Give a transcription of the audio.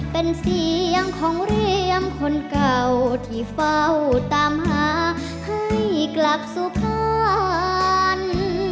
เป็นเสียงของเรียมคนเก่าที่เฝ้าตามหาให้กลับสุพรรณ